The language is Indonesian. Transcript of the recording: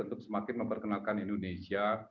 untuk semakin memperkenalkan indonesia